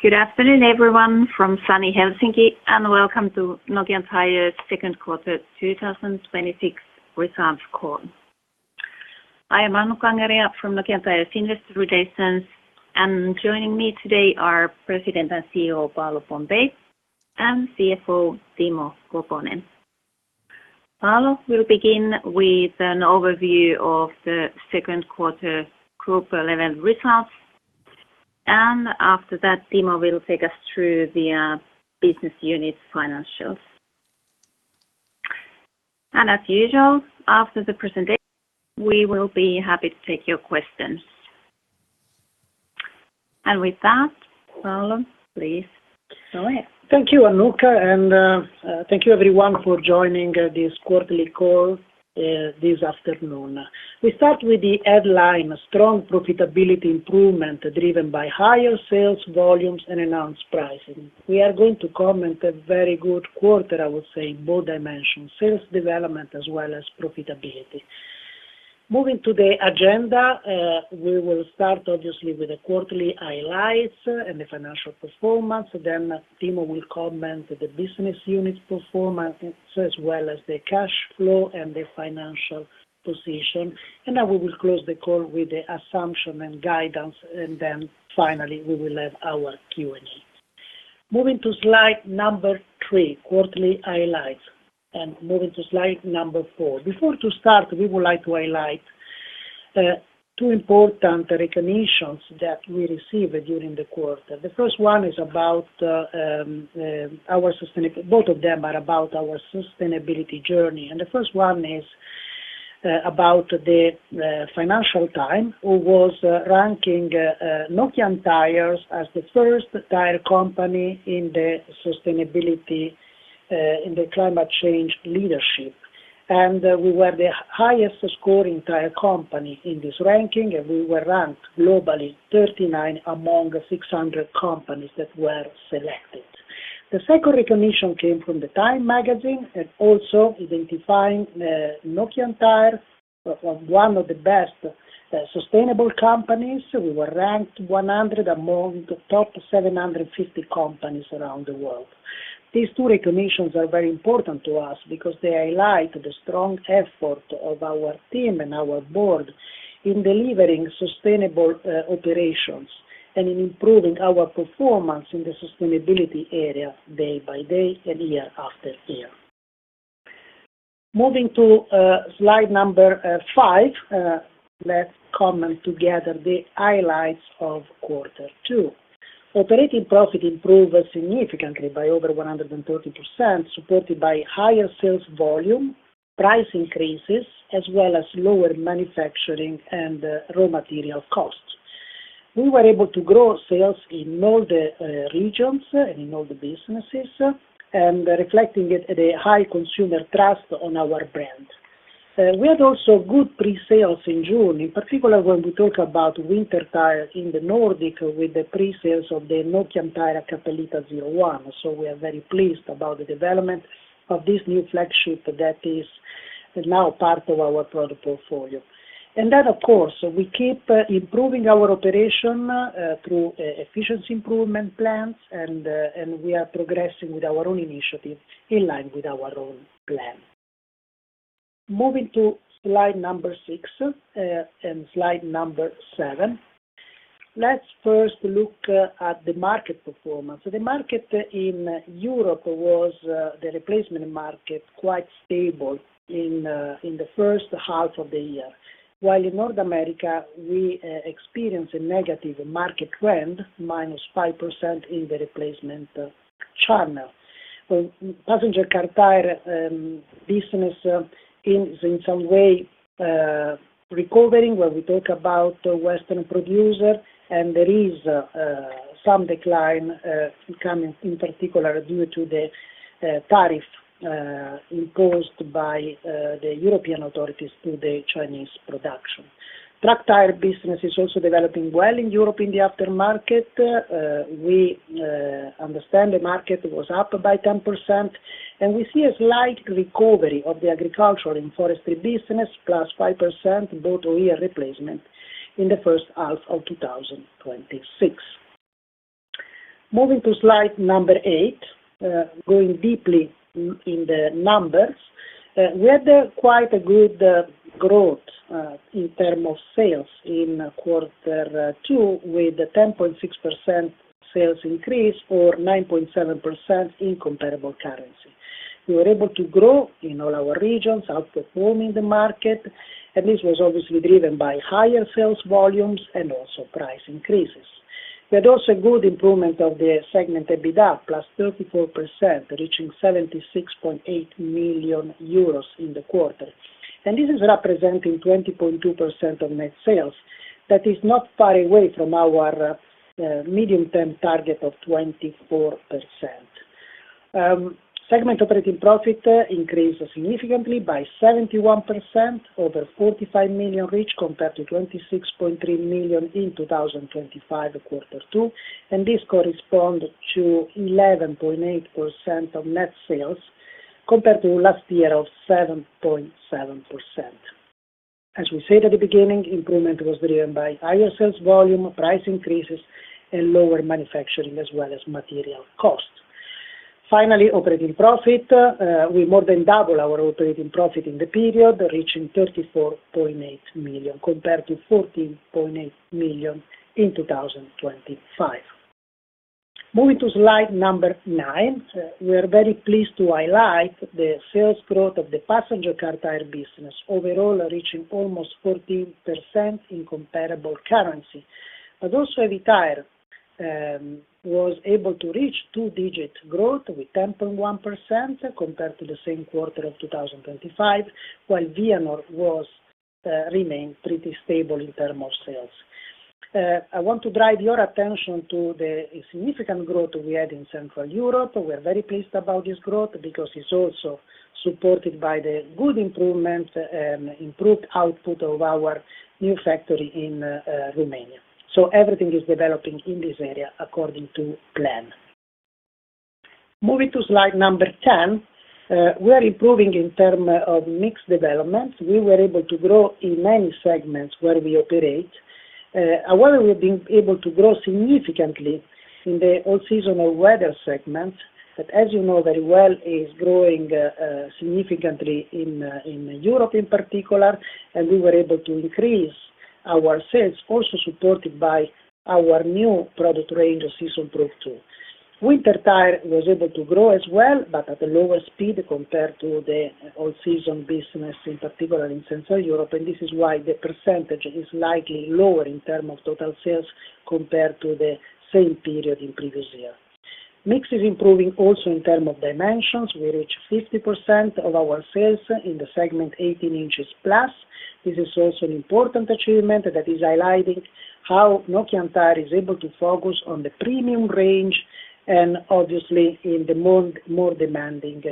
Good afternoon, everyone, from Sunny Helsinki, and welcome to Nokian Tyres' second quarter 2026 results call. I am Annukka Angeria from Nokian Tyres investor relations, and joining me today are President and CEO, Paolo Pompei, and CFO, Timo Koponen. Paolo will begin with an overview of the second quarter group 11 results. After that, Timo will take us through the business unit financials. As usual, after the presentation, we will be happy to take your questions. With that, Paolo, please go ahead. Thank you, Annukka, and thank you, everyone, for joining this quarterly call this afternoon. We start with the headline, Strong Profitability Improvement Driven by Higher Sales Volumes and Enhanced Pricing. We are going to comment a very good quarter, I would say, in both dimensions, sales development as well as profitability. Moving to the agenda, we will start obviously with the quarterly highlights and the financial performance. Timo will comment the business units performance, as well as the cash flow and the financial position. We will close the call with the assumption and guidance, finally, we will have our Q&A. Moving to slide number three, quarterly highlights, moving to slide number four. Before to start, we would like to highlight two important recognitions that we received during the quarter. Both of them are about our sustainability journey. The first one is about the Financial Times, who was ranking Nokian Tyres as the first tire company in the sustainability in the climate change leadership. We were the highest-scoring tire company in this ranking, we were ranked globally 39 among 600 companies that were selected. The second recognition came from the TIME Magazine identifying Nokian Tyres as one of the best sustainable companies. We were ranked 100 among the top 750 companies around the world. These two recognitions are very important to us because they highlight the strong effort of our team and our board in delivering sustainable operations and in improving our performance in the sustainability area day by day and year-after-year. Moving to slide number five, let's comment together the highlights of quarter two. Operating profit improved significantly by over 130%, supported by higher sales volume, price increases, as well as lower manufacturing and raw material costs. We were able to grow sales in all the regions and in all the businesses reflecting the high consumer trust on our brand. We had also good pre-sales in June, in particular when we talk about winter tires in the Nordic with the pre-sales of the Nokian Tyres Hakkapeliitta 01. We are very pleased about the development of this new flagship that is now part of our product portfolio. Of course, we keep improving our operation through efficiency improvement plans, we are progressing with our own initiatives in line with our own plan. Moving to slide number six and slide number seven. Let's first look at the market performance. The market in Europe was the replacement market quite stable in the first half of the year. While in North America, we experienced a negative market trend, -5% in the replacement channel. Passenger Car Tyres business is in some way recovering when we talk about the Western producer. There is some decline coming, in particular, due to the tariff imposed by the European authorities to the Chinese production. Truck tire business is also developing well in Europe in the aftermarket. We understand the market was up by 10%, and we see a slight recovery of the agricultural and forestry business, +5% both year replacement in the first half of 2026. Moving to slide number eight, going deeply in the numbers. We had quite a good growth in terms of sales in Q2 with the 10.6% sales increase or 9.7% in comparable currency. We were able to grow in all our regions, outperforming the market. This was obviously driven by higher sales volumes and also price increases. We had also good improvement of the segment EBITDA, +34%, reaching 76.8 million euros in the quarter. This is representing 20.2% of net sales. That is not far away from our medium-term target of 24%. Segment operating profit increased significantly by 71%, over 45 million reach compared to 26.3 million in 2025, Q2. This corresponds to 11.8% of net sales compared to last year of 7.7%. As we said at the beginning, improvement was driven by higher sales volume, price increases, and lower manufacturing, as well as material costs. Finally, operating profit. We more than doubled our operating profit in the period, reaching 34.8 million compared to 14.8 million in 2025. Moving to slide number nine. We are very pleased to highlight the sales growth of the Passenger Car Tyres business overall, reaching almost 14% in comparable currency. Also Heavy Tyres was able to reach two-digit growth with 10.1% compared to the same quarter of 2025, while Vianor remained pretty stable in terms of sales. I want to drive your attention to the significant growth we had in Central Europe. We are very pleased about this growth because it is also supported by the good improvements, improved output of our new factory in Romania. Everything is developing in this area according to plan. Moving to slide 10, we are improving in terms of mix development. We were able to grow in many segments where we operate. However, we have been able to grow significantly in the all-season segment, that as you know very well, is growing significantly in Europe in particular. We were able to increase our sales, also supported by our new product range, Seasonproof 2. Winter tire was able to grow as well, but at a lower speed compared to the all-season business, in particular in Central Europe. This is why the percentage is slightly lower in terms of total sales compared to the same period in previous year. Mix is improving also in terms of dimensions. We reach 50% of our sales in the segment 18 in plus. This is also an important achievement that is highlighting how Nokian Tyres is able to focus on the premium range and obviously in the more demanding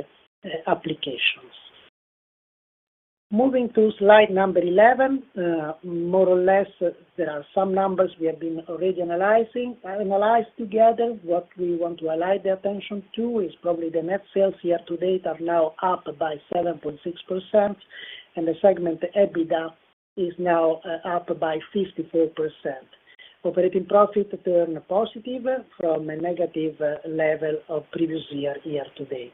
applications. Moving to slide 11, more or less, there are some numbers we have been already analyzed together. What we want to align the attention to is probably the net sales year-to-date are now up by 7.6%, the segment EBITDA is now up by 54%. Operating profit turned positive from a negative level of previous year-to-date.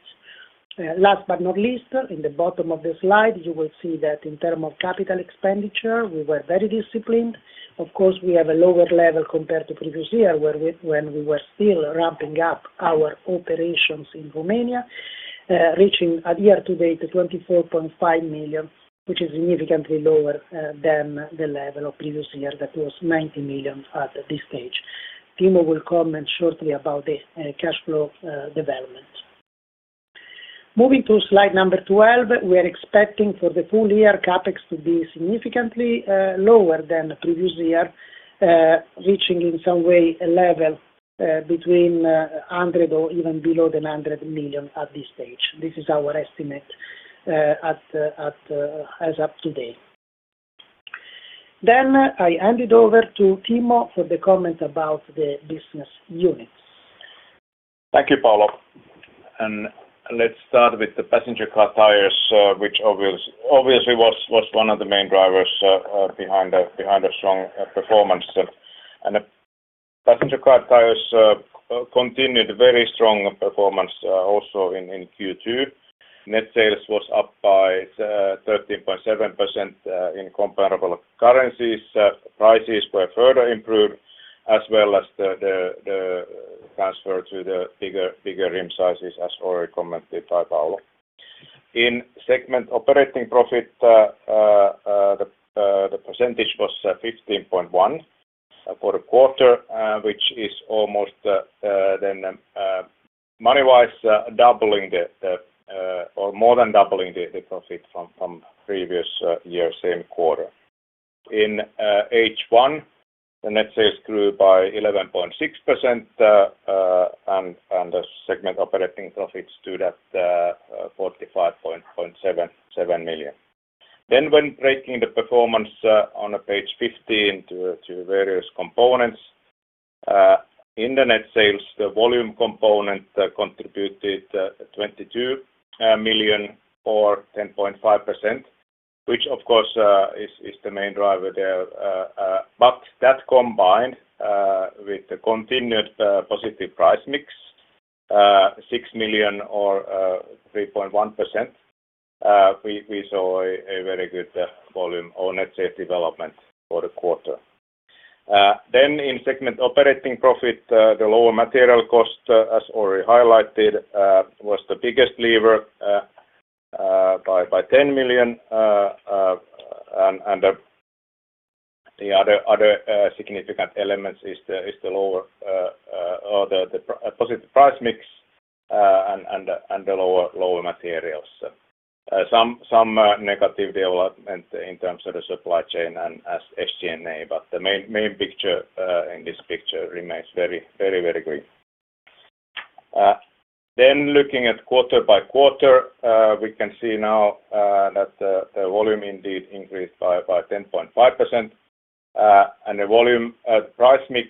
Last but not least, in the bottom of the slide, you will see that in terms of capital expenditure, we were very disciplined. Of course, we have a lower level compared to previous year when we were still ramping up our operations in Romania, reaching a year-to-date 24.5 million, which is significantly lower than the level of previous year that was 90 million at this stage. Timo will comment shortly about the cash flow development. Moving to slide number 12, we are expecting for the full year CapEx to be significantly lower than previous year, reaching in some way a level between 100 million or even below the 100 million at this stage. This is our estimate as up to date. I hand it over to Timo for the comment about the business units. Thank you, Paolo. Let's start with the Passenger Car Tyres, which obviously was one of the main drivers behind a strong performance. Passenger Car Tyres continued very strong performance also in Q2. Net sales was up by 13.7% in comparable currencies. Prices were further improved as well as the transfer to the bigger rim sizes as already commented by Paolo. In segment operating profit, the percentage was 15.1% for the quarter, which is almost then money-wise doubling or more than doubling the profit from previous year same quarter. In H1, the net sales grew by 11.6%, the segment operating profits stood at 45.77 million. When breaking the performance on page 15 to various components, in the net sales, the volume component contributed 22 million or 10.5%, which of course is the main driver there. That combined with the continued positive price mix, 6 million or 3.1%, we saw a very good volume on net sales development for the quarter. In segment operating profit, the lower material cost, as already highlighted, was the biggest lever by EUR 10 million, the other significant elements is the positive price mix and the lower materials. Some negative development in terms of the supply chain and SG&A, the main picture in this picture remains very, very great. Looking at quarter-by-quarter, we can see now that the volume indeed increased by 10.5%. The volume at price mix,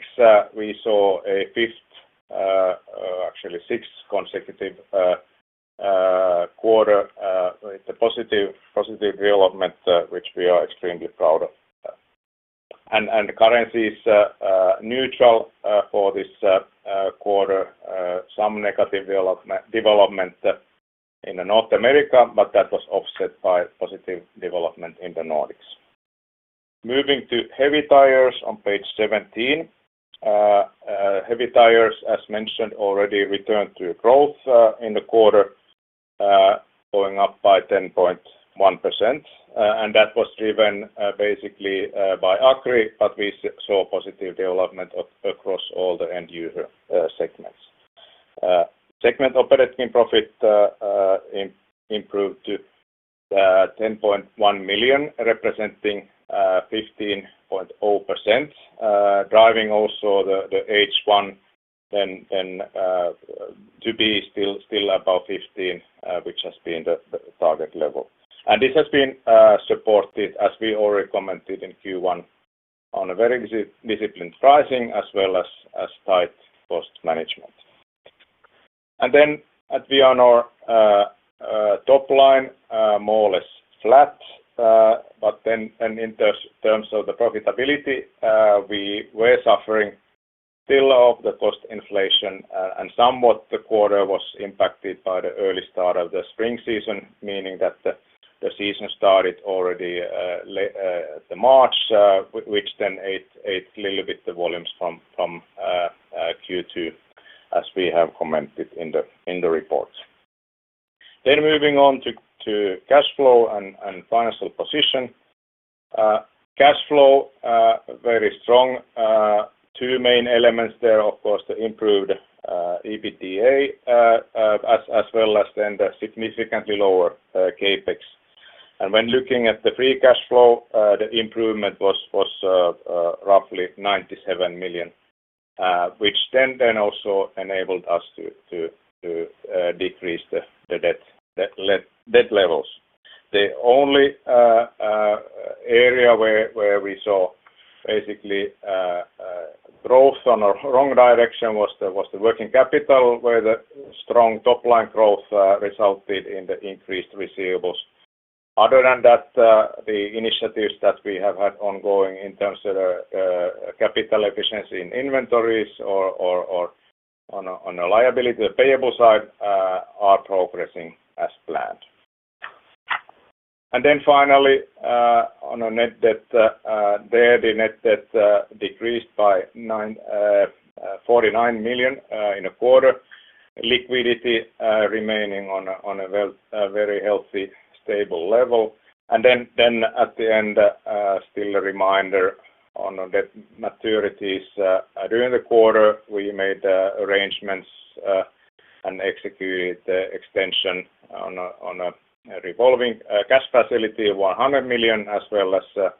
we saw a fifth, actually sixth consecutive quarter with a positive development, which we are extremely proud of. The currency is neutral for this quarter, some negative development in North America, that was offset by positive development in the Nordics. Moving to Heavy Tyres on page 17. Heavy Tyres, as mentioned already, returned to growth in the quarter, going up by 10.1%, and that was driven basically by Agri, but we saw positive development across all the end user segments. Segment operating profit improved to EUR 10.1 million, representing 15.0%, driving also the H1 to be still above 15%, which has been the target level. This has been supported, as we already commented in Q1, on a very disciplined pricing as well as tight cost management. At Vianor top line, more or less flat. In terms of the profitability, we were suffering still of the cost inflation and somewhat the quarter was impacted by the early start of the spring season, meaning that the season started already at March which then ate a little bit the volumes from Q2, as we have commented in the report. Moving on to cash flow and financial position. Cash flow very strong. Two main elements there, of course, the improved EBITDA, as well as then the significantly lower CapEx. When looking at the free cash flow, the improvement was roughly 97 million, which then also enabled us to decrease the debt levels. The only area where we saw basically growth on a wrong direction was the working capital, where the strong top line growth resulted in the increased receivables. Other than that, the initiatives that we have had ongoing in terms of capital efficiency in inventories or on a liability, the payable side, are progressing as planned. Finally, on a net debt there, the net debt decreased by 49 million in a quarter. Liquidity remaining on a very healthy, stable level. At the end, still a reminder on debt maturities. During the quarter, we made arrangements and executed the extension on a revolving cash facility of 100 million, as well as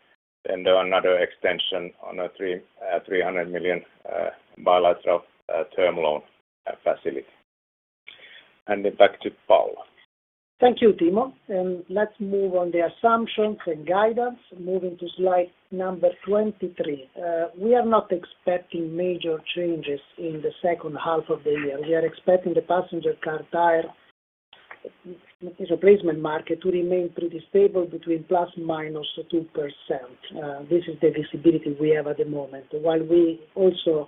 then another extension on a 300 million bilateral term loan facility. Back to Paolo. Thank you, Timo. Let's move on the assumptions and guidance. Moving to slide 23. We are not expecting major changes in the second half of the year. We are expecting the Passenger Car Tyres replacement market to remain pretty stable between ±2%. This is the visibility we have at the moment. While we also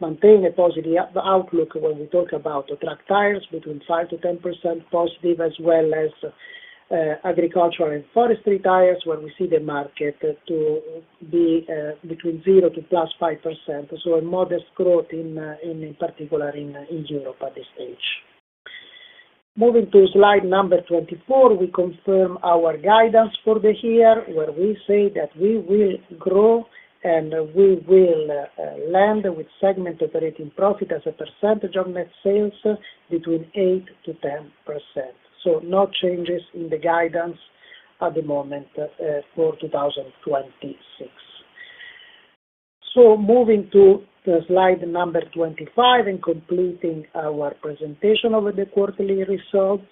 maintain a positive outlook when we talk about truck tires between +5% to +10% positive, as well as agricultural and forestry tires, where we see the market to be between 0% to +5%, so a modest growth in particular in Europe at this stage. Moving to slide 24, we confirm our guidance for the year where we say that we will grow and we will land with segment operating profit as a percentage of net sales between 8%-10%. No changes in the guidance at the moment for 2026. Moving to slide 25 and completing our presentation over the quarterly results.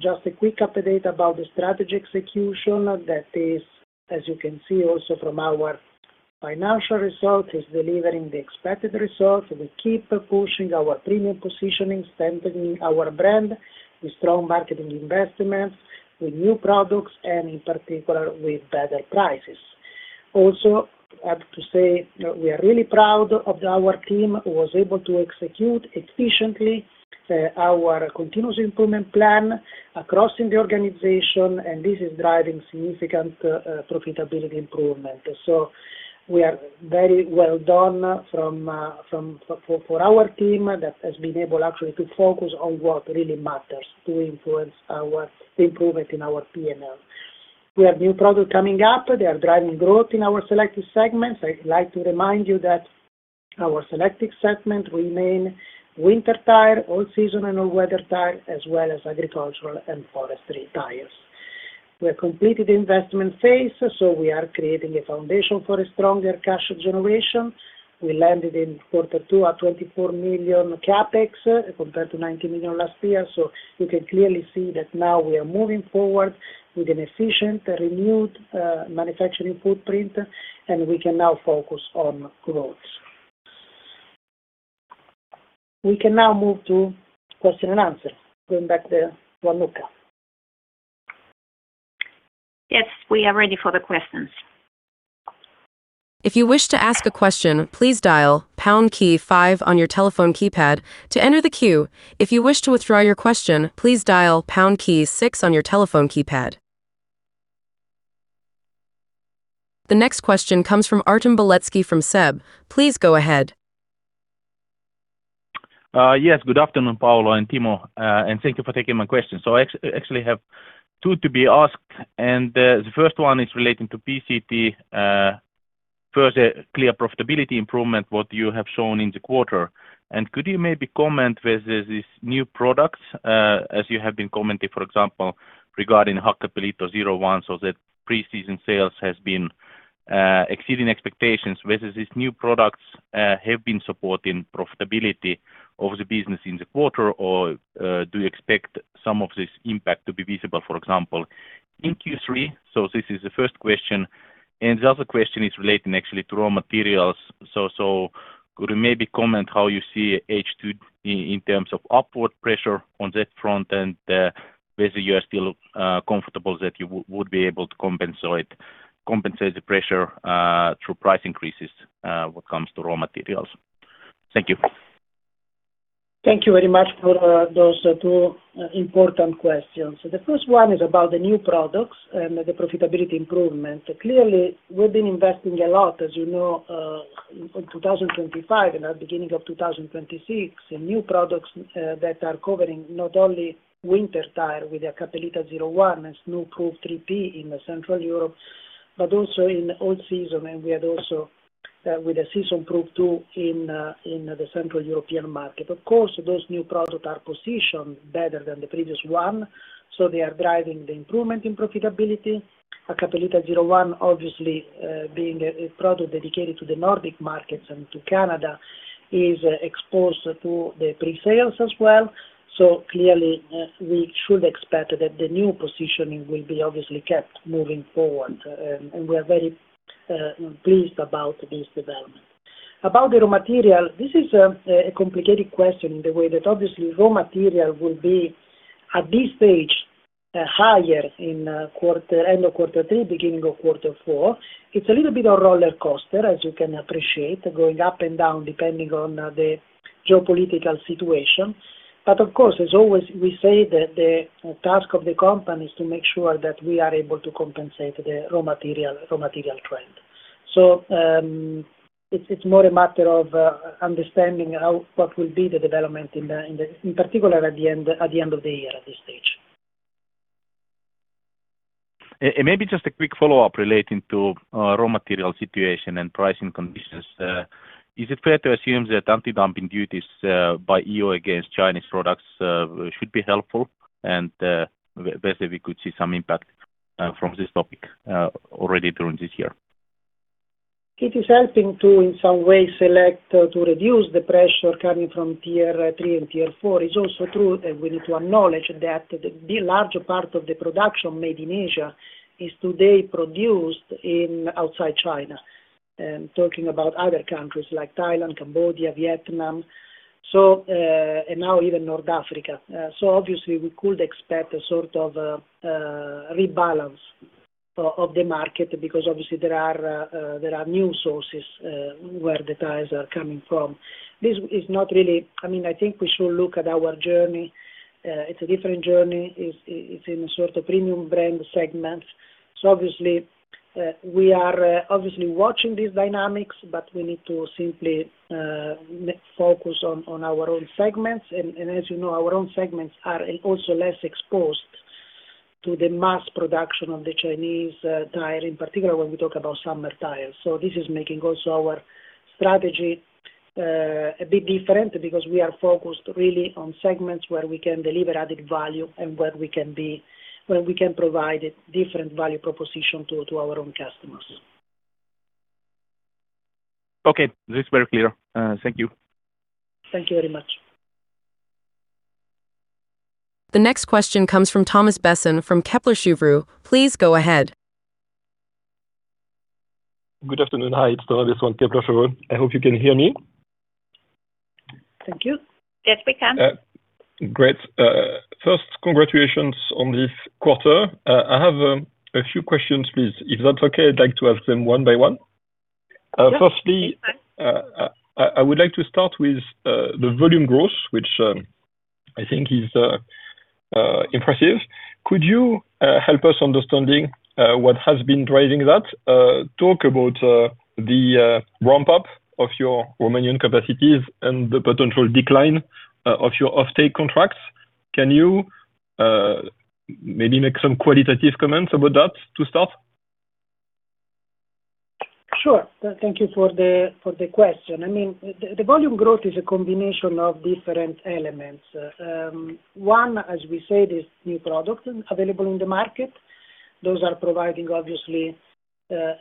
Just a quick update about the strategy execution that is, as you can see also from our financial result, is delivering the expected results. We keep pushing our premium positioning, strengthening our brand with strong marketing investments, with new products and in particular with better prices. Also, I have to say, we are really proud of our team who was able to execute efficiently our continuous improvement plan across in the organization, and this is driving significant profitability improvement. We are very well done for our team that has been able actually to focus on what really matters to influence our improvement in our P&L. We have new product coming up. They are driving growth in our selected segments. I would like to remind you that our selected segment remain winter tire, all-season and all-weather tire, as well as agricultural and forestry tires. We have completed the investment phase, we are creating a foundation for a stronger cash generation. We landed in quarter two at 24 million CapEx compared to 19 million last year. You can clearly see that now we are moving forward with an efficient, renewed manufacturing footprint, and we can now focus on growth. We can now move to question and answer, going back to Annukka. Yes, we are ready for the questions. If you wish to ask a question, please dial pound key five on your telephone keypad to enter the queue. If you wish to withdraw your question, please dial pound key six on your telephone keypad. The next question comes from Artem Beletski from SEB. Please go ahead. Yes, good afternoon, Paolo and Timo, and thank you for taking my question. I actually have two to be asked, and the first one is relating to PCT. First, clear profitability improvement, what you have shown in the quarter. Could you maybe comment whether these new products, as you have been commenting, for example, regarding Hakkapeliitta 01, that pre-season sales has been exceeding expectations, whether these new products have been supporting profitability of the business in the quarter, or do you expect some of this impact to be visible, for example, in Q3? This is the first question, and the other question is relating actually to raw materials. Could you maybe comment how you see H2 in terms of upward pressure on that front, and whether you are still comfortable that you would be able to compensate the pressure through price increases when it comes to raw materials. Thank you. Thank you very much for those two important questions. The first one is about the new products and the profitability improvement. Clearly, we've been investing a lot, as you know, in 2025 and beginning of 2026, in new products that are covering not only winter tire with the Hakkapeliitta 01 and Snowproof 3P in Central Europe, but also in all season. We had also with the Seasonproof 2 in the Central European market. Of course, those new products are positioned better than the previous one, so they are driving the improvement in profitability. Hakkapeliitta 01, obviously, being a product dedicated to the Nordic markets and to Canada, is exposed to the pre-sales as well. Clearly, we should expect that the new positioning will be obviously kept moving forward. We are very pleased about this development. About the raw material, this is a complicated question in the way that obviously raw material will be, at this stage, higher in end of Q3, beginning of Q4. It's a little bit of roller coaster, as you can appreciate, going up and down, depending on the geopolitical situation. Of course, as always, we say that the task of the company is to make sure that we are able to compensate the raw material trend. It's more a matter of understanding what will be the development, in particular at the end of the year at this stage. Maybe just a quick follow-up relating to raw material situation and pricing conditions. Is it fair to assume that anti-dumping duties by EU against Chinese products should be helpful? Whether we could see some impact from this topic already during this year? It's helping to, in some ways, select to reduce the pressure coming from Tier III and Tier IV. It's also true that we need to acknowledge that the larger part of the production made in Asia is today produced outside China. I'm talking about other countries like Thailand, Cambodia, Vietnam, and now even North Africa. Obviously, we could expect a sort of rebalance of the market because obviously there are new sources where the tires are coming from. I think we should look at our journey. It's a different journey. It's in a sort of premium brand segment. Obviously, we are obviously watching these dynamics, but we need to simply focus on our own segments. As you know, our own segments are also less exposed to the mass production of the Chinese tire, in particular when we talk about summer tires. This is making also our strategy a bit different because we are focused really on segments where we can deliver added value and where we can provide a different value proposition to our own customers. Okay. This is very clear. Thank you. Thank you very much. The next question comes from Thomas Besson from Kepler Cheuvreux. Please go ahead. Good afternoon. Hi, it's Thomas from Kepler Cheuvreux. I hope you can hear me. Thank you. Yes, we can. Great. First, congratulations on this quarter. I have a few questions, please. If that's okay, I'd like to ask them one by one. Sure. Firstly, I would like to start with the volume growth, which I think is impressive. Could you help us understanding what has been driving that? Talk about the ramp-up of your Romanian capacities and the potential decline of your offtake contracts. Can you maybe make some qualitative comments about that to start? Sure. Thank you for the question. The volume growth is a combination of different elements. One, as we said, is new product available in the market. Those are providing obviously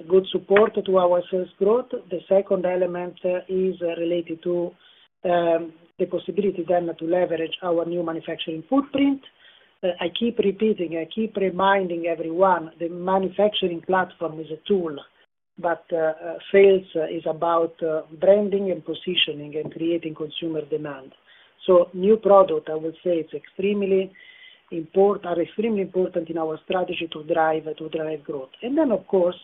good support to our sales growth. The second element is related to the possibility then to leverage our new manufacturing footprint. I keep repeating, I keep reminding everyone, the manufacturing platform is a tool, but sales is about branding and positioning and creating consumer demand. New product, I would say, are extremely important in our strategy to drive growth. Then, of course,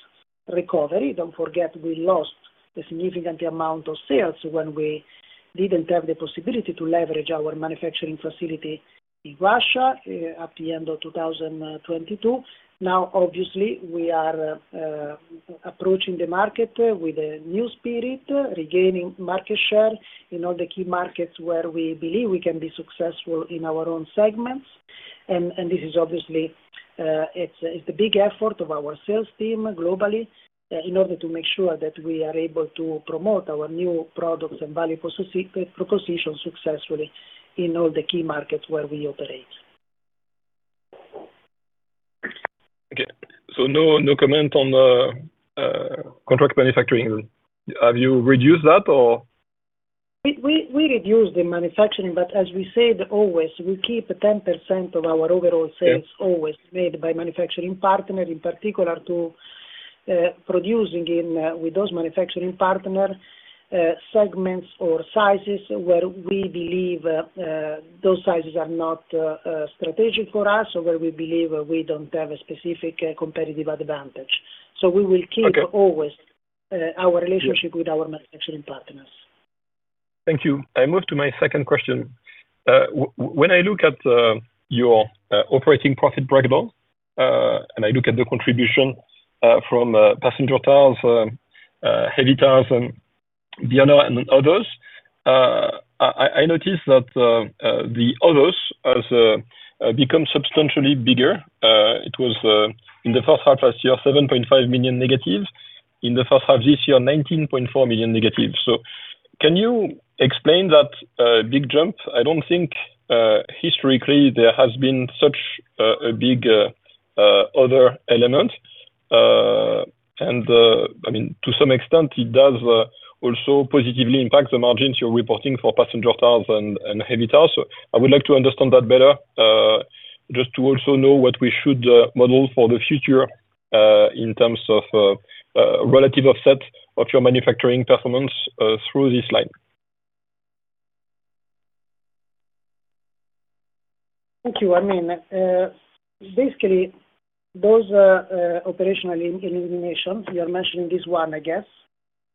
recovery. Don't forget we lost a significant amount of sales when we didn't have the possibility to leverage our manufacturing facility in Russia at the end of 2022. Obviously, we are approaching the market with a new spirit, regaining market share in all the key markets where we believe we can be successful in our own segments. This is obviously, it's the big effort of our sales team globally in order to make sure that we are able to promote our new products and value propositions successfully in all the key markets where we operate. No comment on contract manufacturing. Have you reduced that or? We reduced the manufacturing, as we said always, we keep 10% of our overall sales always made by manufacturing partner, in particular to producing with those manufacturing partner, segments or sizes where we believe those sizes are not strategic for us or where we believe we don't have a specific competitive advantage. We will keep- Okay. ...always our relationship with our manufacturing partners. Thank you. I move to my second question. When I look at your operating profit break even, and I look at the contribution from Passenger Car Tyres, Heavy Tyres, and Vianor and others, I noticed that the others has become substantially bigger. It was, in the first half last year, -7.5 million. In the first half this year, -19.4 million. Can you explain that big jump? I don't think historically there has been such a big other element. To some extent, it does also positively impact the margins you're reporting for Passenger Car Tyres and Heavy Tyres. I would like to understand that better, just to also know what we should model for the future in terms of relative offset of your manufacturing performance through this line. Thank you. Basically, those operational eliminations, you are mentioning this one, I guess,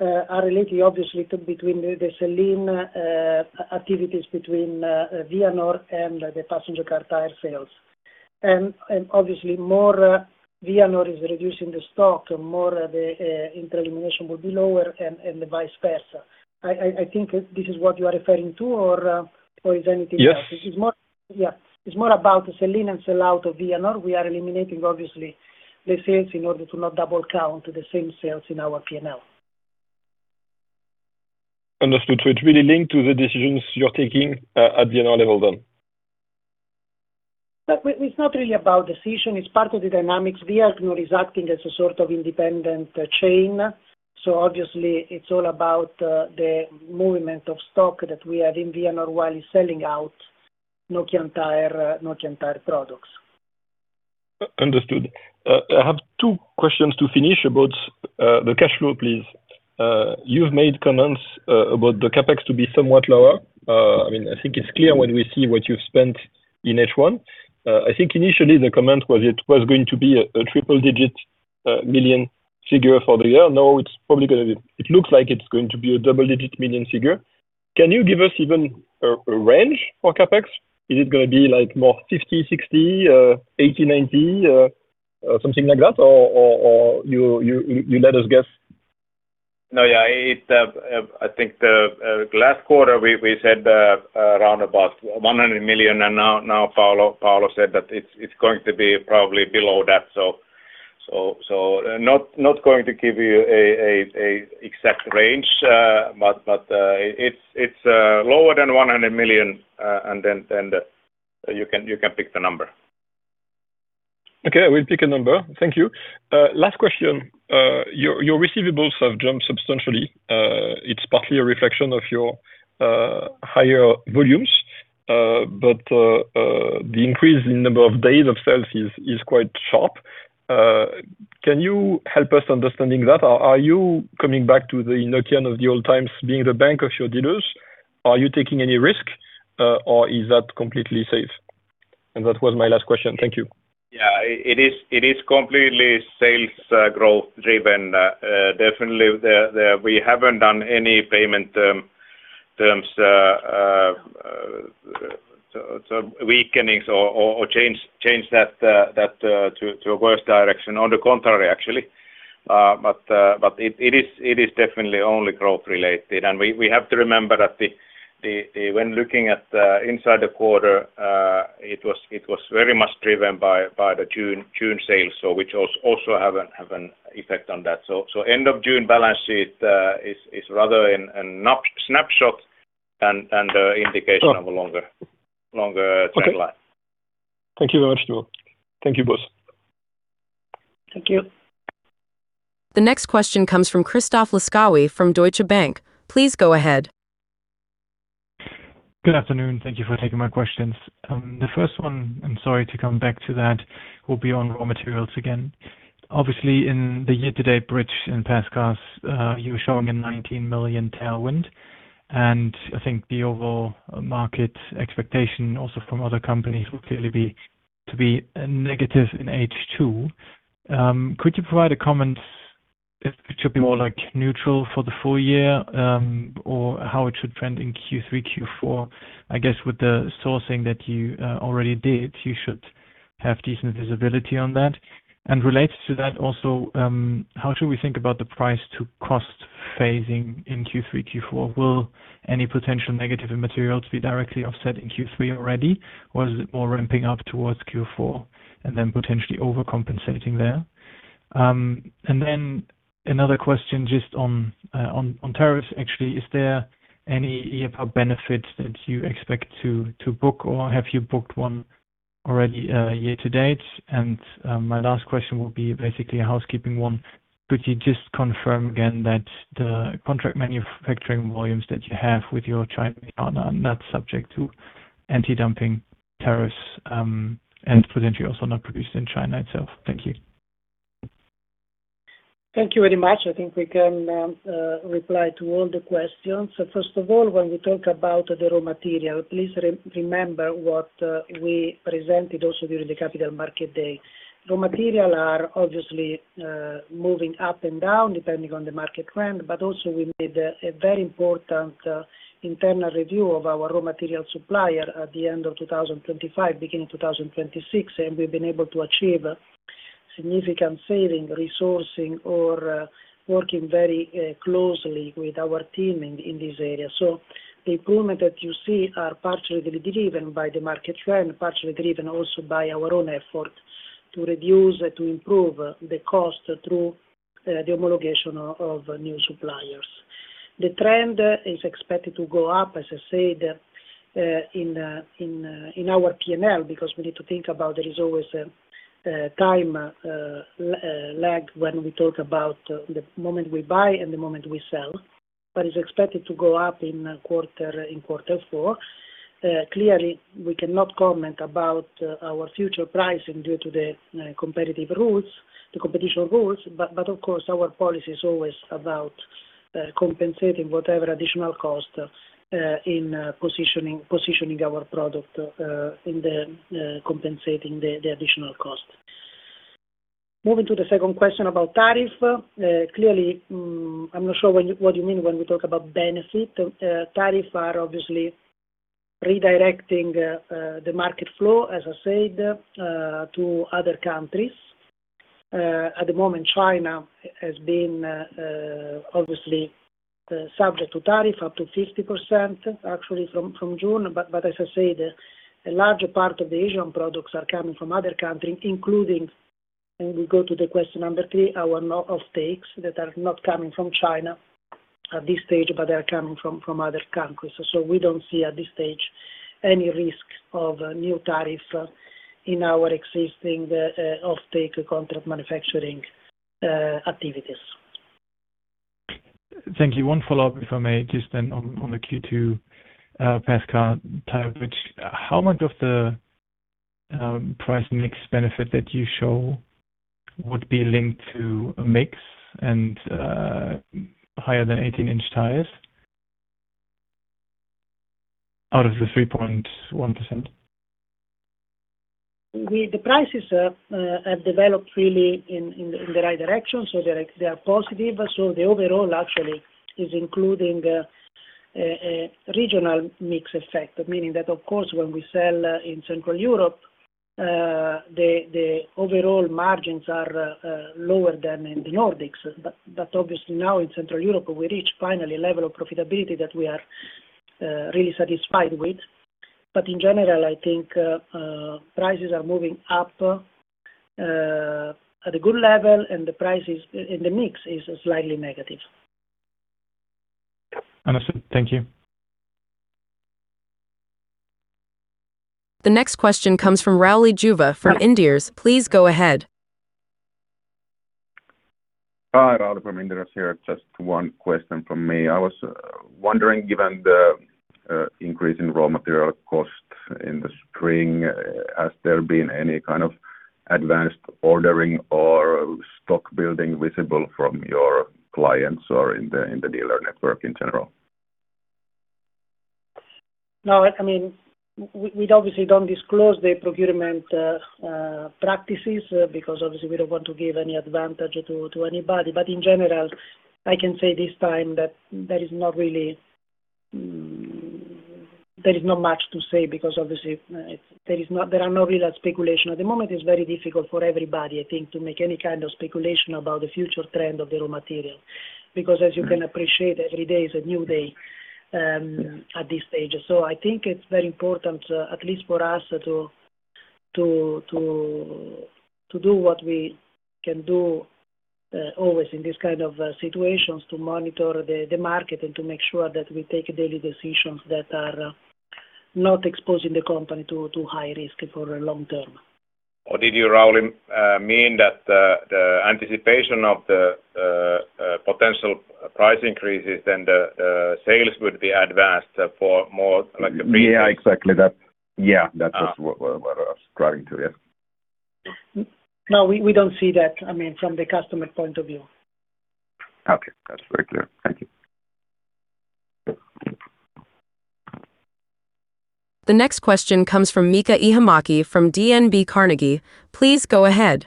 are related obviously between the sell-in activities between Vianor and the Passenger Car Tyres sales. Obviously more Vianor is reducing the stock, more the intra-elimination will be lower and the vice versa. I think this is what you are referring to or is anything else? Yes. It's more about the sell-in and sell-out of Vianor. We are eliminating, obviously, the sales in order to not double count the same sales in our P&L. Understood. It's really linked to the decisions you're taking at Vianor level then? It's not really about decision, it's part of the dynamics. Vianor is acting as a sort of independent chain. Obviously it's all about the movement of stock that we have in Vianor while it's selling out Nokian Tyres products. Understood. I have two questions to finish about the cash flow, please. You've made comments about the CapEx to be somewhat lower. I think it's clear when we see what you've spent in H1. I think initially the comment was it was going to be a triple-digit million figure for the year. Now it looks like it's going to be a double-digit million figure. Can you give us even a range for CapEx? Is it going to be more 50, 60, 80, 90, something like that? Or you let us guess? I think the last quarter we said around about 100 million. Now Paolo said that it's going to be probably below that. Not going to give you an exact range, but it's lower than 100 million. Then you can pick the number. I will pick a number. Thank you. Last question. Your receivables have jumped substantially. It's partly a reflection of your higher volumes. The increase in number of days of sales is quite sharp. Can you help us understanding that? Are you coming back to the Nokian Tyres of the old times, being the bank of your dealers? Are you taking any risk? Is that completely safe? That was my last question. Thank you. Yeah. It is completely sales growth driven. Definitely, we haven't done any payment terms, weakenings or changed that to a worse direction. On the contrary, actually. It is definitely only growth related. We have to remember that when looking at inside the quarter, it was very much driven by the June sales, which also have an effect on that. End of June balance sheet is rather a snapshot and an indication of a longer timeline. Okay. Thank you very much Paolo. Thank you both. Thank you. The next question comes from Christoph Laskawi from Deutsche Bank. Please go ahead. Good afternoon. Thank you for taking my questions. The first one, I'm sorry to come back to that, will be on raw materials again. Obviously, in the year-to-date bridge in past calls, you were showing a 19 million tailwind, and I think the overall market expectation also from other companies will clearly be to be negative in H2. Could you provide a comment if it should be more neutral for the full year? How it should trend in Q3, Q4? I guess with the sourcing that you already did, you should have decent visibility on that. Related to that also, how should we think about the price to cost phasing in Q3, Q4? Will any potential negative materials be directly offset in Q3 already, or is it more ramping up towards Q4 and then potentially overcompensating there? Another question just on tariffs, actually. Is there any year benefit that you expect to book, or have you booked one already year-to-date? My last question will be basically a housekeeping one. Could you just confirm again that the contract manufacturing volumes that you have with your Chinese partner are not subject to anti-dumping tariffs, and potentially also not produced in China itself? Thank you. Thank you very much. I think we can reply to all the questions. First of all, when we talk about the raw material, please remember what we presented also during the Capital Markets Day. Raw material are obviously moving up and down depending on the market trend, but also we made a very important internal review of our raw material supplier at the end of 2025, beginning 2026, and we've been able to achieve significant saving, resourcing, or working very closely with our team in this area. The improvement that you see are partially driven by the market trend, partially driven also by our own effort to reduce, to improve the cost through the homologation of new suppliers. The trend is expected to go up, as I said, in our P&L because we need to think about there is always a time lag when we talk about the moment we buy and the moment we sell, but it's expected to go up in quarter four. Clearly, we cannot comment about our future pricing due to the competitive rules, the computational rules, but of course, our policy is always about compensating whatever additional cost in positioning our product in the compensating the additional cost. Moving to the second question about tariff. Clearly, I'm not sure what you mean when we talk about benefit. Tariff are obviously redirecting the market flow, as I said, to other countries. At the moment, China has been obviously subject to tariff up to 50%, actually from June. As I said, a larger part of the Asian products are coming from other countries, including, when we go to the question three, our lot of stocks that are not coming from China at this stage, but they are coming from other countries. We don't see at this stage any risk of new tariff in our existing offtake contract manufacturing activities. Thank you. One follow-up, if I may, just then on the Q2 Passenger Car Tyres, which how much of the price mix benefit that you show would be linked to mix and higher than 18 in tires out of the 3.1%? The prices have developed really in the right direction, they are positive. The overall actually is including a regional mix effect, meaning that, of course, when we sell in Central Europe, the overall margins are lower than in the Nordics. Obviously now in Central Europe, we reach finally a level of profitability that we are really satisfied with. In general, I think prices are moving up at a good level, and the mix is slightly negative. Understood. Thank you. The next question comes from Rauli Juva from Inderes. Please go ahead. Hi, Rauli from Inderes here. Just one question from me. I was wondering, given the increase in raw material cost in the spring, has there been any kind of advanced ordering or stock building visible from your clients or in the dealer network in general? No. We obviously don't disclose the procurement practices because obviously we don't want to give any advantage to anybody. In general, I can say this time that there is not much to say because obviously there are no real speculation. At the moment, it's very difficult for everybody, I think, to make any kind of speculation about the future trend of the raw material. As you can appreciate, every day is a new day at this stage. I think it's very important, at least for us, to do what we can do always in these kind of situations to monitor the market and to make sure that we take daily decisions that are not exposing the company to too high risk for a long term. Did you, Rauli, mean that the anticipation of the potential price increases, then the sales would be advanced for more like a prepaid? Exactly that. Yeah. That's what I was striving to, yeah. We don't see that from the customer point of view. That's very clear. Thank you. The next question comes from Miika Ihamäki from DNB Carnegie. Please go ahead.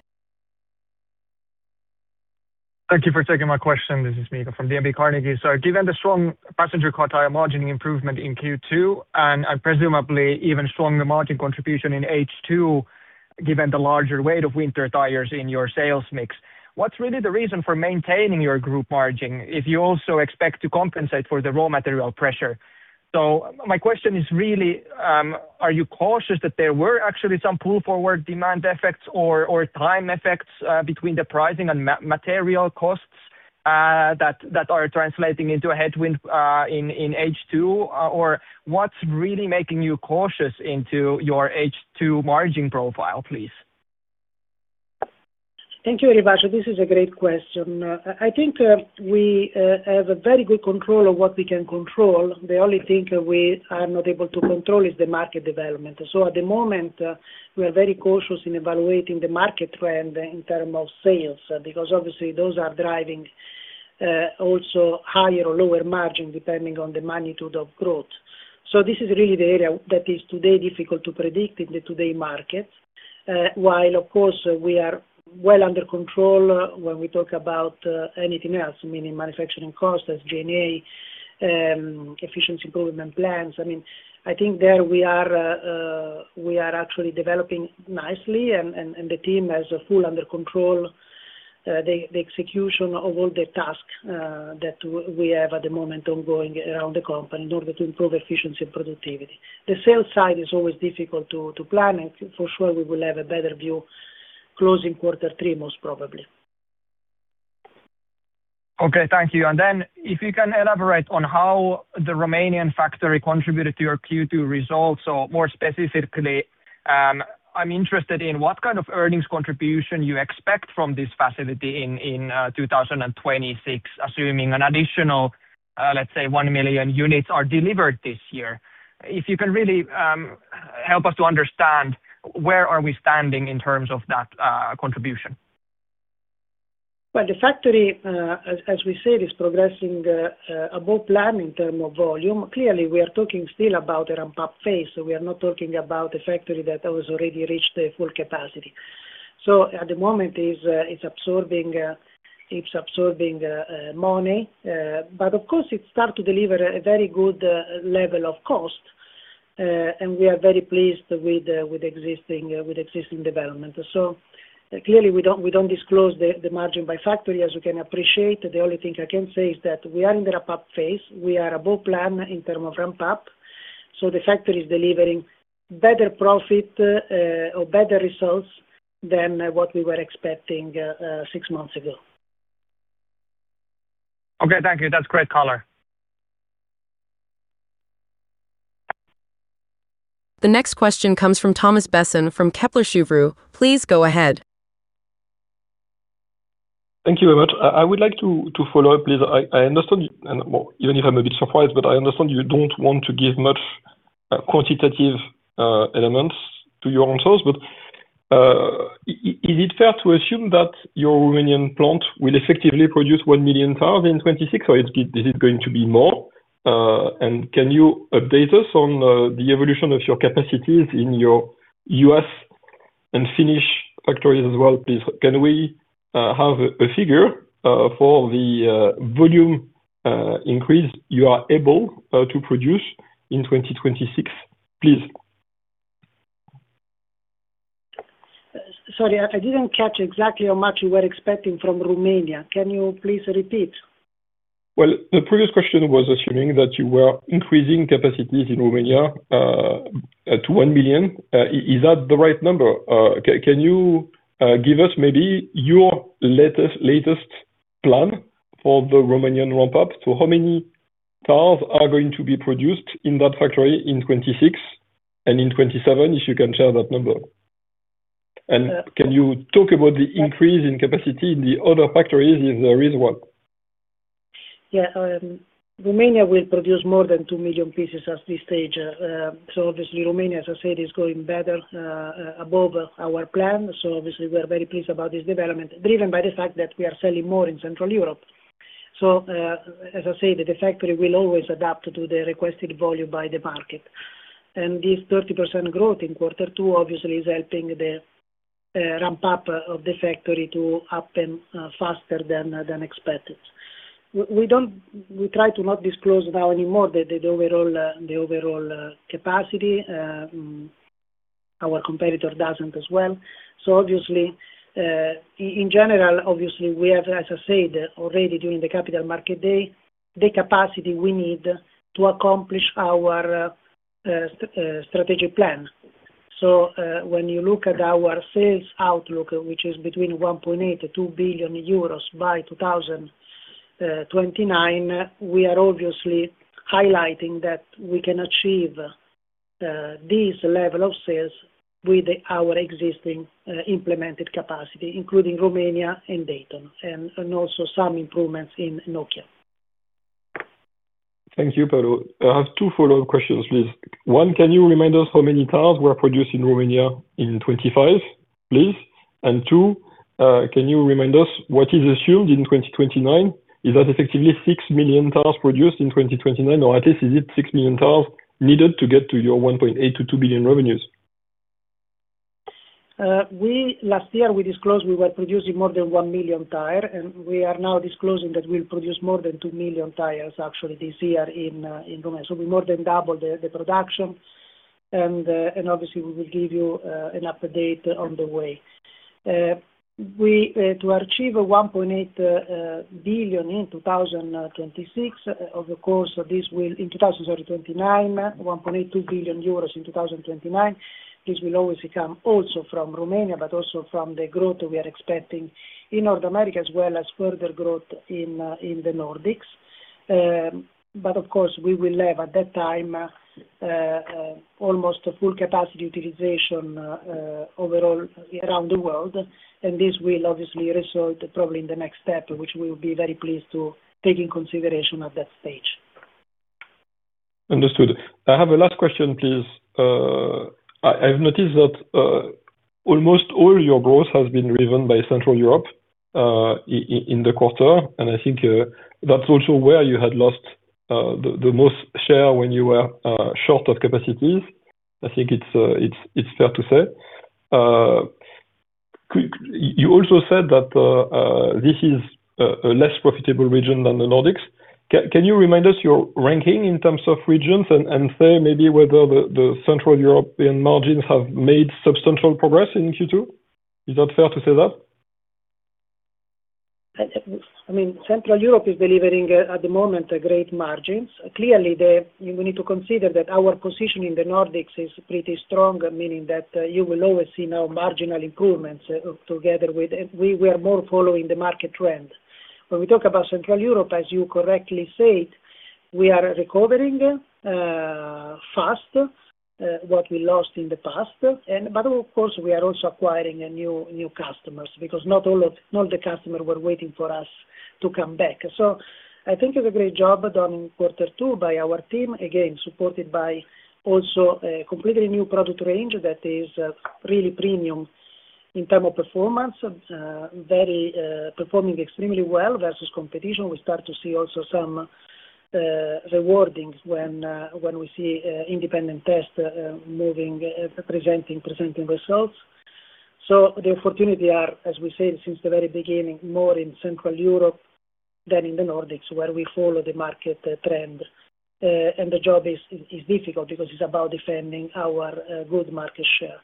Thank you for taking my question. This is Miika from DNB Carnegie. Given the strong passenger car tire margin improvement in Q2, and presumably even stronger margin contribution in H2, given the larger weight of winter tires in your sales mix, what's really the reason for maintaining your group margin if you also expect to compensate for the raw material pressure? My question is really, are you cautious that there were actually some pull forward demand effects or time effects between the pricing and material costs that are translating into a headwind in H2? What's really making you cautious into your H2 margin profile, please? Thank you very much. This is a great question. I think we have a very good control of what we can control. The only thing we are not able to control is the market development. At the moment, we are very cautious in evaluating the market trend in terms of sales, because obviously those are driving also higher or lower margin depending on the magnitude of growth. This is really the area that is today difficult to predict in today's market. While of course, we are well under control when we talk about anything else, meaning manufacturing costs as G&A, efficiency improvement plans. I think there we are actually developing nicely and the team has full under control the execution of all the tasks that we have at the moment ongoing around the company in order to improve efficiency and productivity. The sales side is always difficult to plan, and for sure we will have a better view closing quarter three, most probably. Okay. Thank you. If you can elaborate on how the Romanian factory contributed to your Q2 results, or more specifically, I'm interested in what kind of earnings contribution you expect from this facility in 2026, assuming an additional, let's say, 1 million units are delivered this year. If you can really help us to understand where are we standing in terms of that contribution. The factory, as we said, is progressing above plan in terms of volume. We are talking still about a ramp-up phase, so we are not talking about a factory that has already reached full capacity. At the moment it is absorbing money, but of course it starts to deliver a very good level of cost, and we are very pleased with existing development. Clearly we don't disclose the margin by factory as you can appreciate. The only thing I can say is that we are in the ramp-up phase. We are above plan in terms of ramp-up, so the factory is delivering better profit, or better results than what we were expecting six months ago. Thank you. That's great color. The next question comes from Thomas Besson from Kepler Cheuvreux. Please go ahead. Thank you very much. I would like to follow up, please. I understand, and well, even if I'm a bit surprised, but I understand you don't want to give much quantitative elements to your answers, but is it fair to assume that your Romanian plant will effectively produce 1 million tires in 2026, or is it going to be more? Can you update us on the evolution of your capacities in your U.S. and Finnish factories as well, please? Can we have a figure for the volume increase you are able to produce in 2026, please? Sorry, I didn't catch exactly how much you were expecting from Romania. Can you please repeat? The previous question was assuming that you were increasing capacities in Romania to 1 million. Is that the right number? Can you give us maybe your latest plan for the Romanian ramp-up? How many tires are going to be produced in that factory in 2026 and in 2027, if you can share that number? Can you talk about the increase in capacity in the other factories if there is one? Romania will produce more than 2 million pieces at this stage. Obviously Romania, as I said, is going better above our plan. Obviously we are very pleased about this development, driven by the fact that we are selling more in Central Europe. As I said, the factory will always adapt to the requested volume by the market. This 30% growth in quarter two obviously is helping the ramp-up of the factory to happen faster than expected. We try to not disclose now anymore the overall capacity. Our competitor doesn't as well. Obviously, in general, obviously, we have, as I said already during the Capital Markets Day, the capacity we need to accomplish our strategic plan. When you look at our sales outlook, which is between 1.8 billion-2 billion euros by 2029, we are obviously highlighting that we can achieve this level of sales with our existing implemented capacity, including Romania and Dayton, and also some improvements in Nokia. Thank you, Paolo. I have two follow-up questions, please. One, can you remind us how many tires were produced in Romania in 2025, please? Two, can you remind us what is assumed in 2029? Is that effectively 6 million tires produced in 2029, or at least is it 6 million tires needed to get to your 1.8 billion to 2 billion revenues? Last year, we disclosed we were producing more than 1 million tires, we are now disclosing that we'll produce more than 2 million tires actually this year in Romania. We more than doubled the production. Obviously, we will give you an update on the way. To achieve 1.8 billion in 2026, of course, this will, in 2029, 1.8 billion-2 billion euros in 2029, this will obviously come also from Romania, but also from the growth we are expecting in North America, as well as further growth in the Nordics. Of course, we will have, at that time, almost full capacity utilization overall around the world. This will obviously result probably in the next step, which we'll be very pleased to take in consideration at that stage. Understood. I have a last question, please. I have noticed that almost all your growth has been driven by Central Europe in the quarter, I think that's also where you had lost the most share when you were short of capacities. I think it's fair to say. You also said that this is a less profitable region than the Nordics. Can you remind us your ranking in terms of regions say maybe whether the Central European margins have made substantial progress in Q2? Is that fair to say that? Central Europe is delivering, at the moment, great margins. Clearly, we need to consider that our position in the Nordics is pretty strong, meaning that you will always see now marginal improvements together with. We are more following the market trend. When we talk about Central Europe, as you correctly said, we are recovering fast what we lost in the past. Of course, we are also acquiring new customers because not all the customers were waiting for us to come back. I think it's a great job done in quarter two by our team, again, supported by also a completely new product range that is really premium in term of performance, performing extremely well versus competition. We start to see also some rewarding when we see independent tests presenting results. The opportunity are, as we said since the very beginning, more in Central Europe than in the Nordics, where we follow the market trend. The job is difficult because it is about defending our good market share.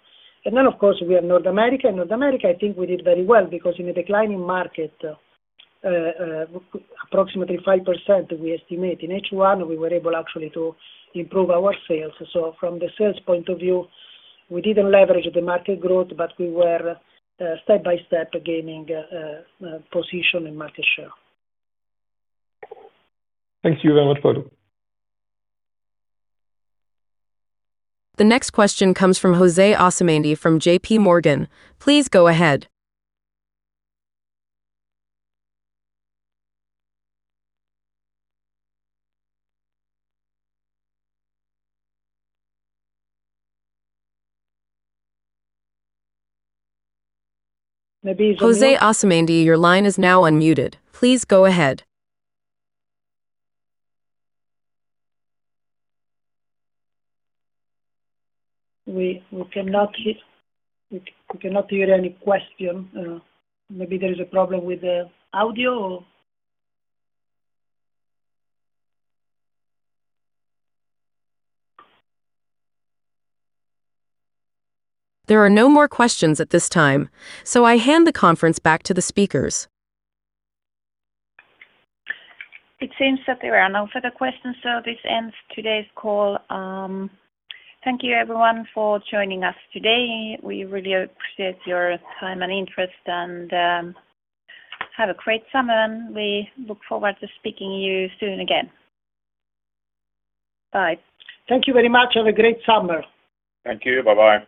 Of course, we have North America. North America, I think we did very well because in a declining market, approximately 5%, we estimate in H1, we were able actually to improve our sales. From the sales point of view, we didn't leverage the market growth, but we were step by step gaining position and market share. Thank you very much, Paolo. The next question comes from José Asumendi from JPMorgan. Please go ahead. Maybe there's no- José Asumendi, your line is now unmuted. Please go ahead. We cannot hear any question. Maybe there is a problem with the audio or. There are no more questions at this time. I hand the conference back to the speakers. It seems that there are no further questions. This ends today's call. Thank you, everyone, for joining us today. We really appreciate your time and interest. Have a great summer. We look forward to speaking to you soon again. Bye. Thank you very much. Have a great summer. Thank you. Bye-bye.